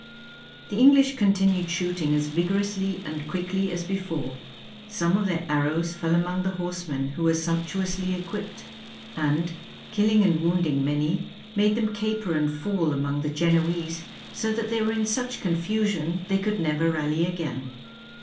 The English continued shooting as vigorously and quickly as before; some of their arrows fell among the horsemen, who were sumptuously equipped, and, killing and wounding many, made them caper and fall among the Genoese so that they were in such confusion they could never rally again.